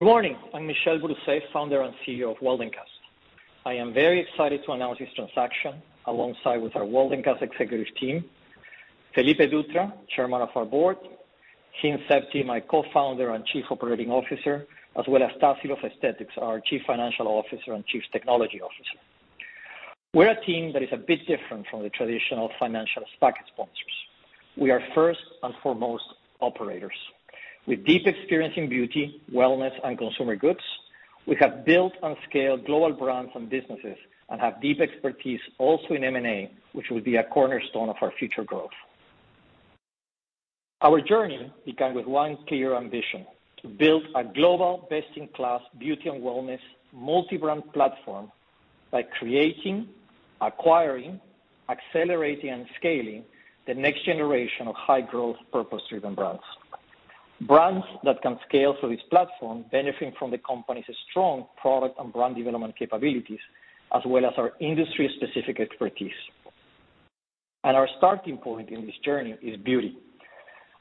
Good morning. I'm Michel Brousset, Founder and CEO of Waldencast. I am very excited to announce this transaction alongside with our Waldencast executive team, Felipe Dutra, Chairman of our Board, Hind Sebti, my Co-Founder and Chief Operating Officer, as well as Tassilo Festetics, our Chief Financial Officer and Chief Technology Officer. We're a team that is a bit different from the traditional financial SPAC sponsors. We are first and foremost operators. With deep experience in beauty, wellness, and consumer goods, we have built and scaled global brands and businesses and have deep expertise also in M&A, which will be a cornerstone of our future growth. Our journey began with one clear ambition to build a global best-in-class beauty and wellness multi-brand platform by creating, acquiring, accelerating, and scaling the next generation of high-growth, purpose-driven brands. Brands that can scale through this platform, benefiting from the company's strong product and brand development capabilities, as well as our industry-specific expertise. Our starting point in this journey is beauty,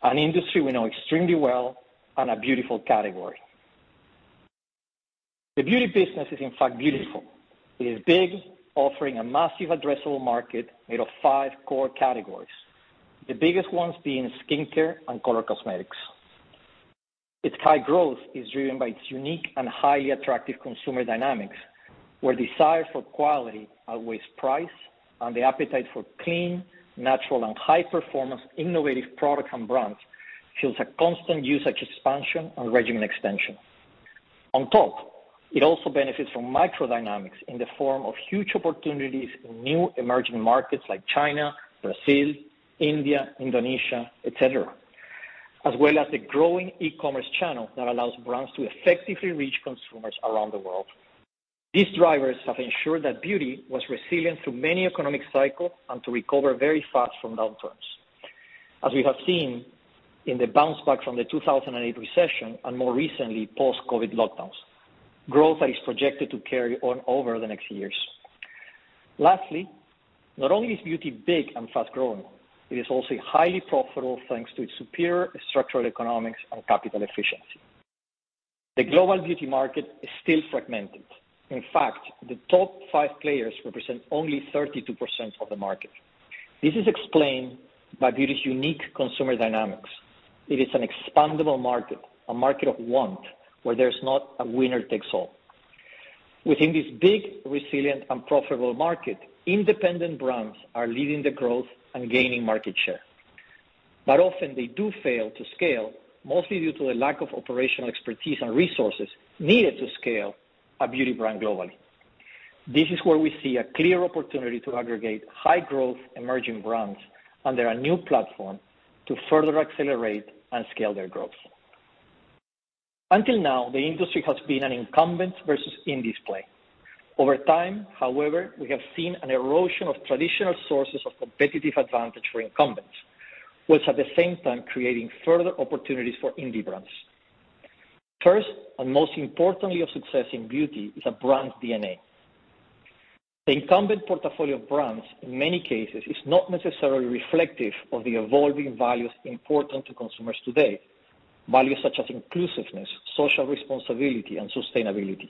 an industry we know extremely well and a beautiful category. The beauty business is, in fact, beautiful. It is big, offering a massive addressable market made of five core categories, the biggest ones being skincare and color cosmetics. Its high growth is driven by its unique and highly attractive consumer dynamics, where desire for quality outweighs price, and the appetite for clean, natural, and high-performance innovative products and brands fuels a constant usage expansion and regimen extension. On top, it also benefits from microdynamics in the form of huge opportunities in new emerging markets like China, Brazil, India, Indonesia, et cetera, as well as the growing e-commerce channel that allows brands to effectively reach consumers around the world. These drivers have ensured that beauty was resilient through many economic cycle and to recover very fast from downturns. As we have seen in the bounce back from the 2008 recession and more recently, post-COVID lockdowns, growth that is projected to carry on over the next years. Lastly, not only is beauty big and fast-growing, it is also highly profitable, thanks to its superior structural economics and capital efficiency. The global beauty market is still fragmented. In fact, the top five players represent only 32% of the market. This is explained by beauty's unique consumer dynamics. It is an expandable market, a market of want, where there's not a winner takes all. Within this big, resilient, and profitable market, independent brands are leading the growth and gaining market share. Often they do fail to scale, mostly due to a lack of operational expertise and resources needed to scale a beauty brand globally. This is where we see a clear opportunity to aggregate high-growth emerging brands under a new platform to further accelerate and scale their growth. Until now, the industry has been an incumbent versus indie play. Over time, however, we have seen an erosion of traditional sources of competitive advantage for incumbents, while at the same time creating further opportunities for indie brands. First and most importantly of success in beauty is a brand DNA. The incumbent portfolio of brands, in many cases, is not necessarily reflective of the evolving values important to consumers today, values such as inclusiveness, social responsibility, and sustainability.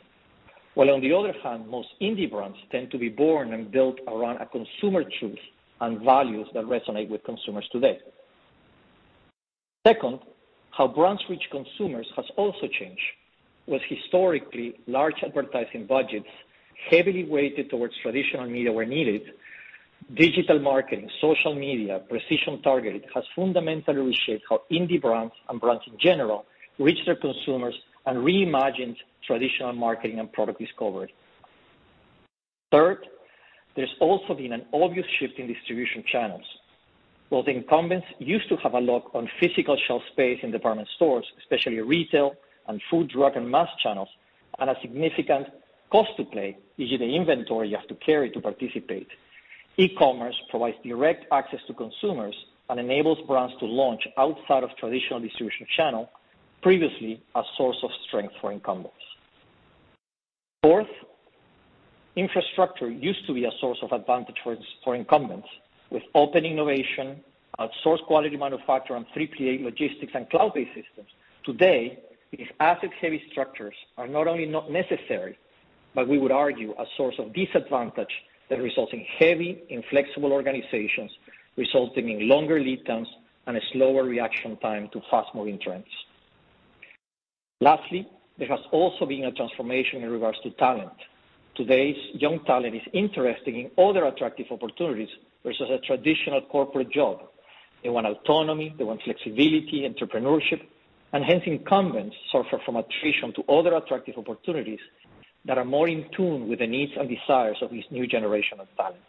While on the other hand, most indie brands tend to be born and built around a consumer truth and values that resonate with consumers today. Second, how brands reach consumers has also changed. While historically, large advertising budgets heavily weighted towards traditional media were needed, digital marketing, social media, precision targeting, has fundamentally reshaped how indie brands and brands in general reach their consumers and reimagined traditional marketing and product discovery. Third, there's also been an obvious shift in distribution channels. While the incumbents used to have a lock on physical shelf space in department stores, especially retail and food, drug, and mass channels, and a significant cost to play, e.g., the inventory you have to carry to participate, e-commerce provides direct access to consumers and enables brands to launch outside of traditional distribution channel, previously a source of strength for incumbents. Fourth, infrastructure used to be a source of advantage for incumbents with open innovation, outsourced quality manufacturer, and 3PL logistics and cloud-based systems. Today, these asset-heavy structures are not only not necessary, but we would argue a source of disadvantage that results in heavy, inflexible organizations, resulting in longer lead times and a slower reaction time to fast-moving trends. Lastly, there has also been a transformation in regards to talent. Today's young talent is interested in other attractive opportunities versus a traditional corporate job. They want autonomy, they want flexibility, entrepreneurship, and hence, incumbents suffer from attrition to other attractive opportunities that are more in tune with the needs and desires of this new generation of talents.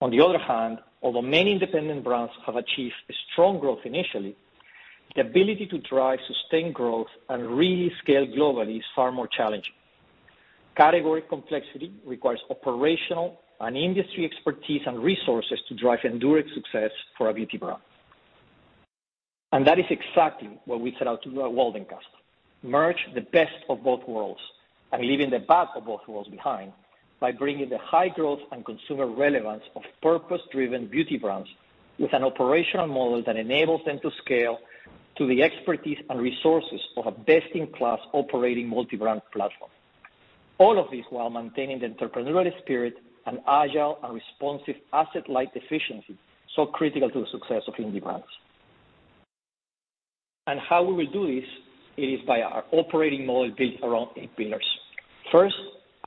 On the other hand, although many independent brands have achieved strong growth initially, the ability to drive sustained growth and really scale globally is far more challenging. Category complexity requires operational and industry expertise and resources to drive enduring success for a beauty brand. That is exactly what we set out to do at Waldencast, merge the best of both worlds. Leaving the bad of both worlds behind by bringing the high growth and consumer relevance of purpose-driven beauty brands with an operational model that enables them to scale to the expertise and resources of a best-in-class operating multi-brand platform. All of this while maintaining the entrepreneurial spirit and agile and responsive asset-light efficiency so critical to the success of indie brands. How we will do this, it is by our operating model built around eight pillars. First,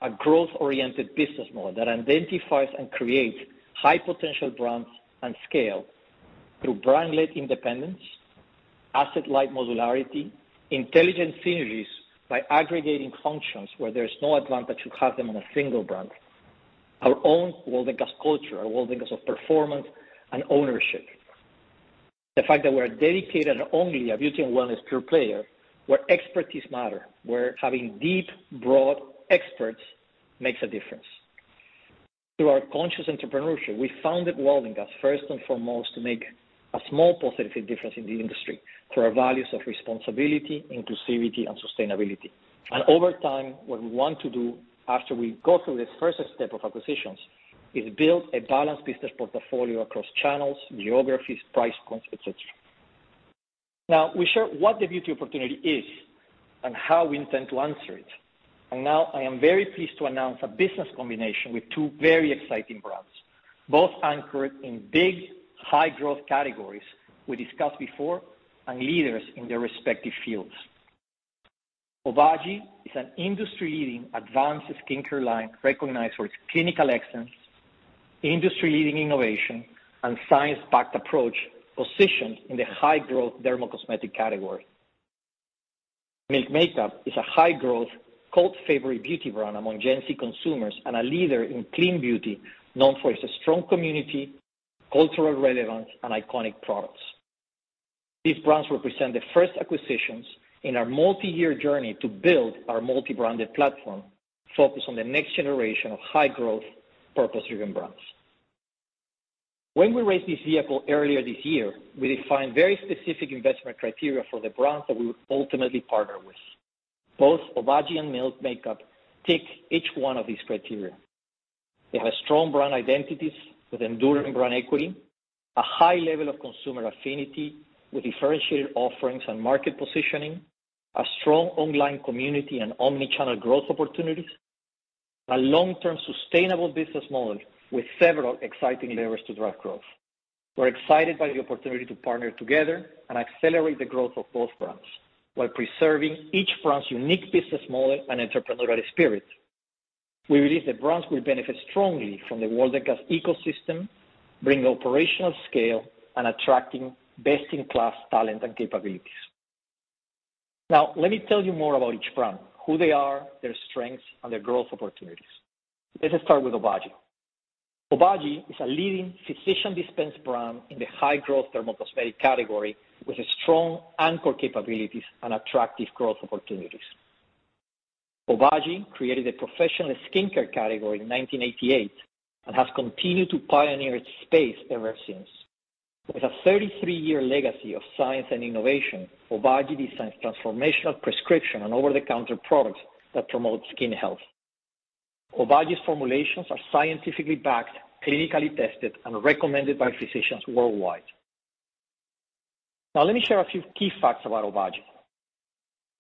a growth-oriented business model that identifies and creates high-potential brands and scale through brand-led independence, asset-light modularity, intelligent synergies by aggregating functions where there's no advantage to have them on a single brand. Our own Waldencast culture, our Waldencast of performance and ownership. The fact that we're dedicated only a beauty and wellness pure player where expertise matter, where having deep, broad experts makes a difference. Through our conscious entrepreneurship, we founded Waldencast first and foremost to make a small positive difference in the industry through our values of responsibility, inclusivity, and sustainability. Over time, what we want to do after we go through this first step of acquisitions is build a balanced business portfolio across channels, geographies, price points, et cetera. Now, we share what the beauty opportunity is and how we intend to answer it. Now I am very pleased to announce a Business Combination with two very exciting brands, both anchored in big, high-growth categories we discussed before and leaders in their respective fields. Obagi is an industry-leading advanced skincare line recognized for its clinical excellence, industry-leading innovation, and science-backed approach, positioned in the high-growth dermocosmetic category. Milk Makeup is a high-growth, cult favorite beauty brand among Gen Z consumers and a leader in clean beauty, known for its strong community, cultural relevance, and iconic products. These brands represent the first acquisitions in our multi-year journey to build our multi-branded platform focused on the next generation of high-growth, purpose-driven brands. When we raised this vehicle earlier this year, we defined very specific investment criteria for the brands that we would ultimately partner with. Both Obagi and Milk Makeup tick each one of these criteria. They have strong brand identities with enduring brand equity, a high level of consumer affinity with differentiated offerings and market positioning, a strong online community, and omni-channel growth opportunities, a long-term sustainable business model with several exciting levers to drive growth. We're excited by the opportunity to partner together and accelerate the growth of both brands while preserving each brand's unique business model and entrepreneurial spirit. We believe the brands will benefit strongly from the Waldencast ecosystem, bringing operational scale and attracting best-in-class talent and capabilities. Now, let me tell you more about each brand, who they are, their strengths, and their growth opportunities. Let us start with Obagi. Obagi is a leading physician dispensing brand in the high-growth dermocosmetic category with strong anchor capabilities and attractive growth opportunities. Obagi created a professional skincare category in 1988 and has continued to pioneer its space ever since. With a 33-year legacy of science and innovation, Obagi designs transformational prescription and over-the-counter products that promote skin health. Obagi's formulations are scientifically backed, clinically tested, and recommended by physicians worldwide. Now, let me share a few key facts about Obagi.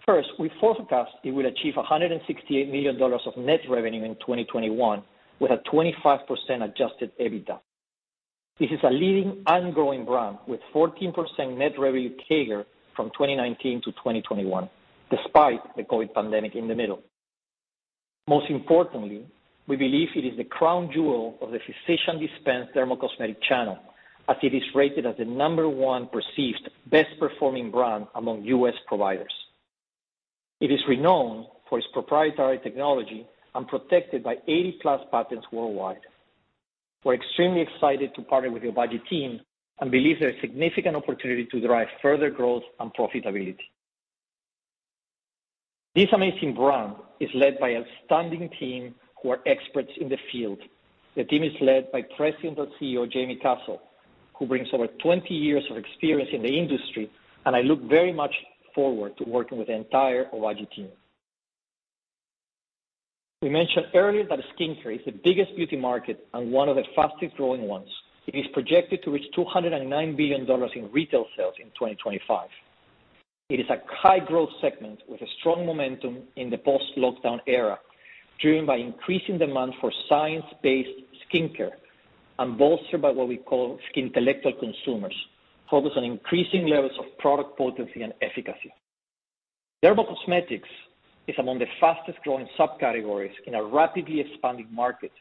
First, we forecast it will achieve $168 million of net revenue in 2021, with 25% adjusted EBITDA. This is a leading and growing brand with 14% net revenue CAGR from 2019 to 2021, despite the COVID pandemic in the middle. Most importantly, we believe it is the crown jewel of the physician dispensing dermocosmetic channel, as it is rated as the number one perceived best-performing brand among U.S. providers. It is renowned for its proprietary technology and protected by 80+ patents worldwide. We're extremely excited to partner with the Obagi team and believe there's significant opportunity to drive further growth and profitability. This amazing brand is led by outstanding team who are experts in the field. The team is led by President and CEO Jaime Castle, who brings over 20 years of experience in the industry, and I look very much forward to working with the entire Obagi team. We mentioned earlier that skincare is the biggest beauty market and one of the fastest-growing ones. It is projected to reach $209 billion in retail sales in 2025. It is a high-growth segment with a strong momentum in the post-lockdown era, driven by increasing demand for science-based skincare and bolstered by what we call skintellectual consumers, focused on increasing levels of product potency and efficacy. Dermocosmetics is among the fastest-growing subcategories in a rapidly expanding market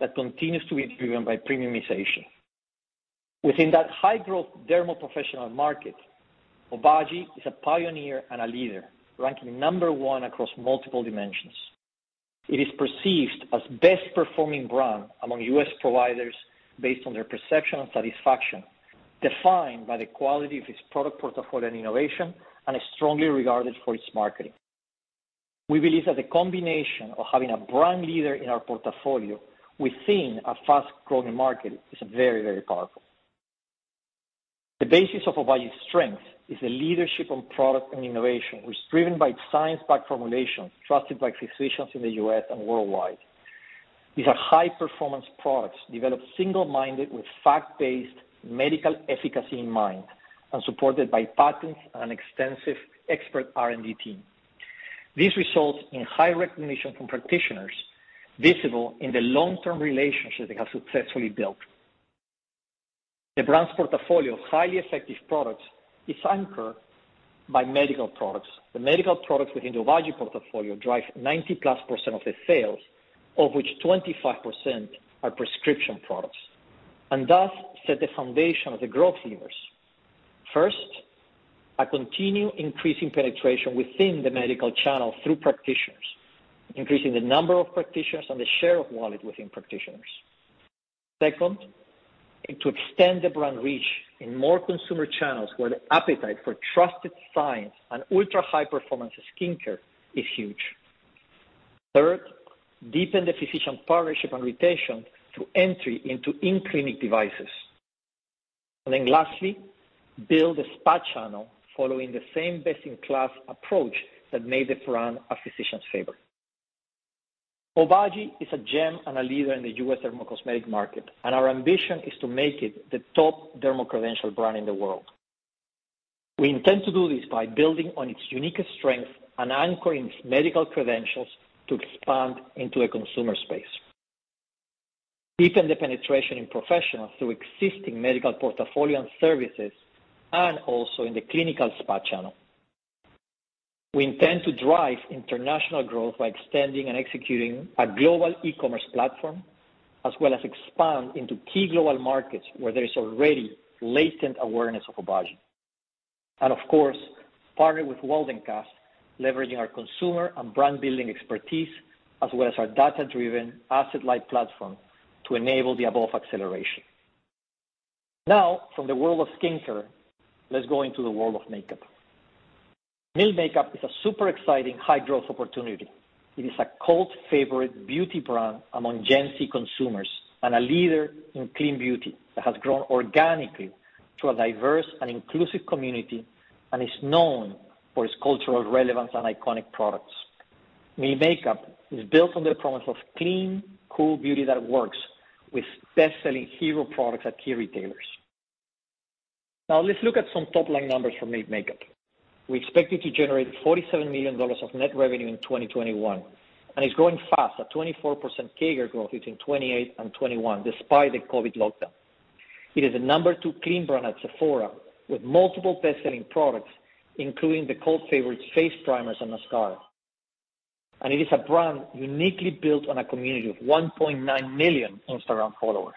that continues to be driven by premiumization. Within that high-growth dermal professional market, Obagi is a pioneer and a leader, ranking number one across multiple dimensions. It is perceived as best performing brand among U.S. providers based on their perception and satisfaction, defined by the quality of its product portfolio and innovation, and is strongly regarded for its marketing. We believe that the combination of having a brand leader in our portfolio within a fast-growing market is very, very powerful. The basis of Obagi's strength is the leadership on product and innovation was driven by science-backed formulations trusted by physicians in the U.S. and worldwide. These are high-performance products developed single-minded with fact-based medical efficacy in mind and supported by patents and extensive expert R&D team. This results in high recognition from practitioners, visible in the long-term relationship they have successfully built. The brand's portfolio of highly effective products is anchored by medical products. The medical products within the Obagi portfolio drive 90%+ of the sales, of which 25% are prescription products, and thus set the foundation of the growth levers. First, a continued increasing penetration within the medical channel through practitioners, increasing the number of practitioners and the share of wallet within practitioners. Second, and to extend the brand reach in more consumer channels where the appetite for trusted science and ultra-high performance skincare is huge. Third, deepen the physician partnership and retention through entry into in-clinic devices. And then lastly, build a spa channel following the same best-in-class approach that made the brand a physician's favorite. Obagi is a gem and a leader in the U.S. dermocosmetic market, and our ambition is to make it the top dermo-credentialed brand in the world. We intend to do this by building on its unique strength and anchoring its medical credentials to expand into a consumer space, deepen the penetration in professionals through existing medical portfolio and services and also in the clinical spa channel. We intend to drive international growth by extending and executing a global e-commerce platform, as well as expand into key global markets where there is already latent awareness of Obagi. Of course, partner with Waldencast, leveraging our consumer and brand-building expertise, as well as our data-driven asset-light platform to enable the above acceleration. Now, from the world of skincare, let's go into the world of makeup. Milk Makeup is a super exciting high-growth opportunity. It is a cult favorite beauty brand among Gen Z consumers and a leader in clean beauty that has grown organically to a diverse and inclusive community and is known for its cultural relevance and iconic products. Milk Makeup is built on the promise of clean, cool beauty that works with best-selling hero products at key retailers. Now let's look at some top-line numbers for Milk Makeup. We expect it to generate $47 million of net revenue in 2021, and it's growing fast at 24% CAGR growth between 2018 and 2021 despite the COVID lockdown. It is the number two clean brand at Sephora with multiple best-selling products, including the cult favorite face primers and mascara. It is a brand uniquely built on a community of 1.9 million Instagram followers.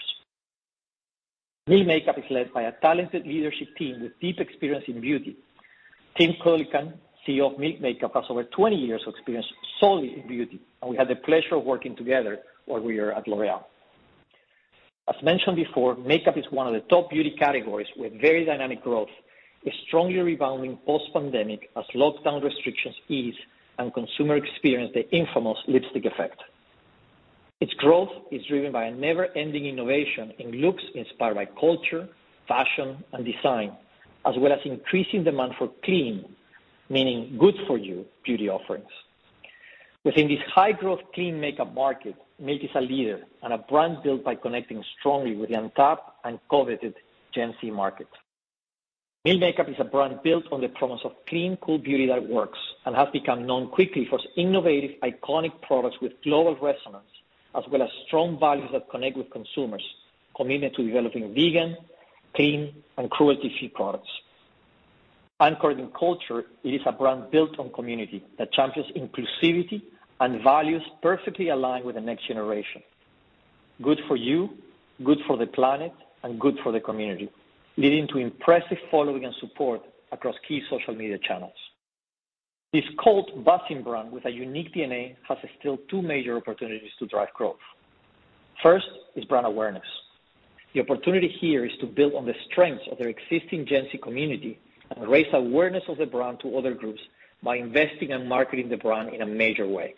Milk Makeup is led by a talented leadership team with deep experience in beauty. Tim Coolican, CEO of Milk Makeup, has over 20 years of experience solely in beauty, and we had the pleasure of working together while we were at L'Oréal. As mentioned before, makeup is one of the top beauty categories with very dynamic growth, is strongly rebounding post-pandemic as lockdown restrictions ease and consumers experience the infamous lipstick effect. Its growth is driven by a never-ending innovation in looks inspired by culture, fashion, and design, as well as increasing demand for clean, meaning good for you, beauty offerings. Within this high-growth clean makeup market, Milk is a leader and a brand built by connecting strongly with the untapped and coveted Gen Z market. Milk Makeup is a brand built on the promise of clean, cool beauty that works and has become known quickly for its innovative, iconic products with global resonance, as well as strong values that connect with consumers, committed to developing vegan, clean, and cruelty-free products. Anchored in culture, it is a brand built on community that champions inclusivity and values perfectly aligned with the next generation. Good for you, good for the planet, and good for the community, leading to impressive following and support across key social media channels. This cult buzzing brand with a unique DNA has still two major opportunities to drive growth. First is brand awareness. The opportunity here is to build on the strengths of their existing Gen Z community and raise awareness of the brand to other groups by investing and marketing the brand in a major way.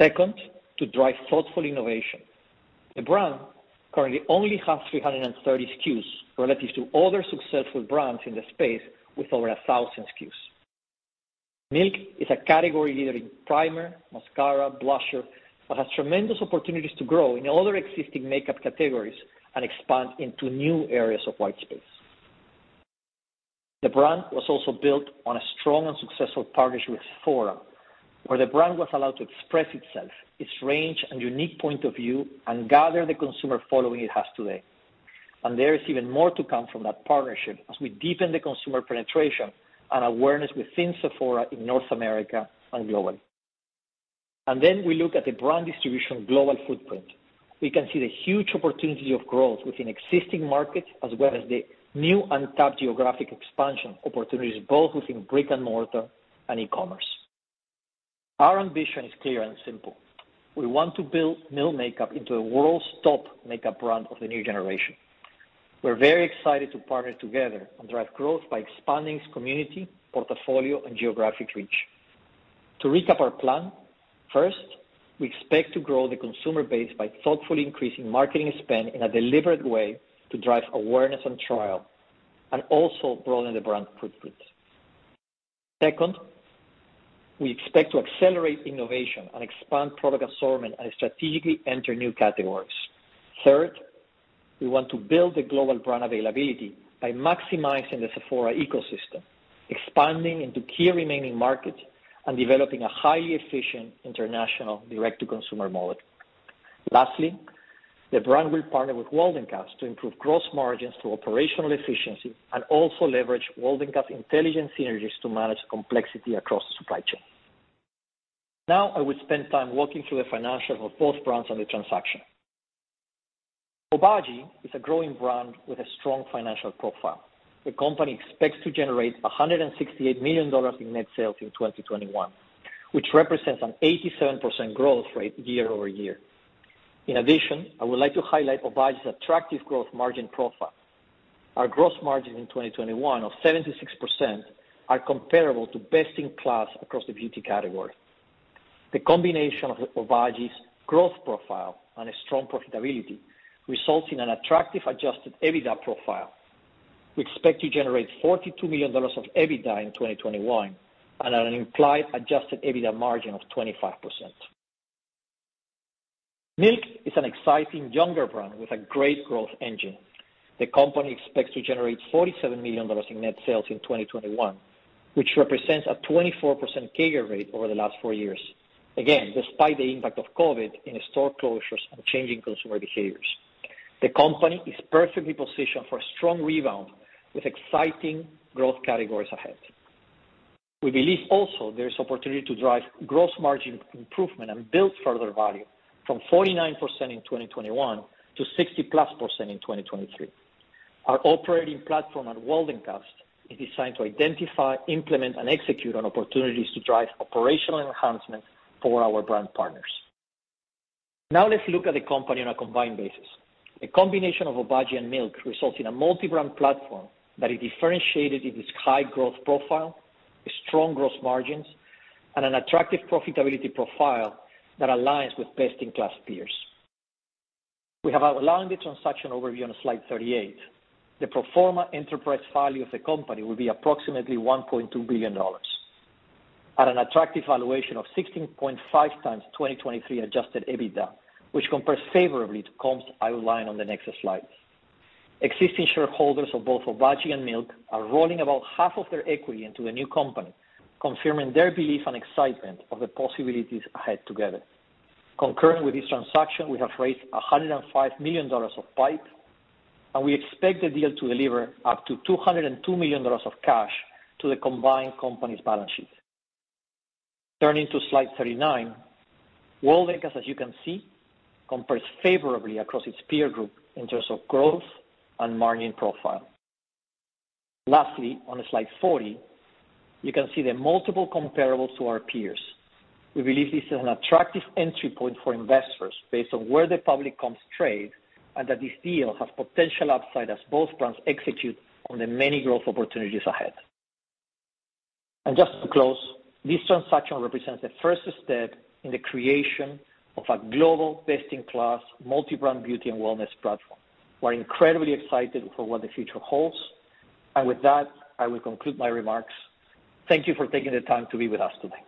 Second, to drive thoughtful innovation. The brand currently only has 330 SKUs relative to other successful brands in the space with over 1,000 SKUs. Milk is a category leader in primer, mascara, blusher, but has tremendous opportunities to grow in all other existing makeup categories and expand into new areas of white space. The brand was also built on a strong and successful partnership with Sephora, where the brand was allowed to express itself, its range and unique point of view, and gather the consumer following it has today. There is even more to come from that partnership as we deepen the consumer penetration and awareness within Sephora in North America and globally. We look at the brand distribution global footprint. We can see the huge opportunity of growth within existing markets as well as the new untapped geographic expansion opportunities, both within brick-and-mortar and e-commerce. Our ambition is clear and simple. We want to build Milk Makeup into the world's top makeup brand of the new generation. We're very excited to partner together and drive growth by expanding its community, portfolio, and geographic reach. To recap our plan, first, we expect to grow the consumer base by thoughtfully increasing marketing spend in a deliberate way to drive awareness and trial, and also broadening the brand footprint. Second, we expect to accelerate innovation and expand product assortment and strategically enter new categories. Third, we want to build the global brand availability by maximizing the Sephora ecosystem, expanding into key remaining markets, and developing a highly efficient international direct-to-consumer model. Lastly, the brand will partner with Waldencast to improve gross margins through operational efficiency and also leverage Waldencast intelligence synergies to manage complexity across the supply chain. Now I will spend time walking through the financials of both brands on the transaction. Obagi is a growing brand with a strong financial profile. The company expects to generate $168 million in net sales in 2021, which represents an 87% growth rate year-over-year. In addition, I would like to highlight Obagi's attractive growth margin profile. Our growth margin in 2021 of 76% are comparable to best-in-class across the beauty category. The combination of Obagi's growth profile and a strong profitability results in an attractive adjusted EBITDA profile. We expect to generate $42 million of EBITDA in 2021 and an implied adjusted EBITDA margin of 25%. Milk Makeup is an exciting younger brand with a great growth engine. The company expects to generate $47 million in net sales in 2021, which represents a 24% CAGR over the last four years, again despite the impact of COVID in store closures and changing consumer behaviors. The company is perfectly positioned for strong rebound with exciting growth categories ahead. We believe also there is opportunity to drive gross margin improvement and build further value from 49% in 2021 to 60%+ in 2023. Our operating platform at Waldencast is designed to identify, implement, and execute on opportunities to drive operational enhancements for our brand partners. Now let's look at the company on a combined basis. A combination of Obagi and Milk Makeup results in a multi-brand platform that is differentiated in its high growth profile, strong growth margins, and an attractive profitability profile that aligns with best-in-class peers. We have outlined the transaction overview on slide 38. The pro forma enterprise value of the company will be approximately $1.2 billion at an attractive valuation of 16.5x 2023 adjusted EBITDA, which compares favorably to comps outlined on the next slides. Existing shareholders of both Obagi and Milk are rolling about half of their equity into a new company, confirming their belief and excitement of the possibilities ahead together. Concurrent with this transaction, we have raised $105 million of PIPE, and we expect the deal to deliver up to $202 million of cash to the combined company's balance sheet. Turning to slide 39, Waldencast, as you can see, compares favorably across its peer group in terms of growth and margin profile. Lastly, on slide 40, you can see the multiple comparables to our peers. We believe this is an attractive entry point for investors based on where the public comps trade and that this deal has potential upside as both brands execute on the many growth opportunities ahead. Just to close, this transaction represents the first step in the creation of a global best-in-class multi-brand beauty and wellness platform. We're incredibly excited for what the future holds, and with that, I will conclude my remarks. Thank you for taking the time to be with us today.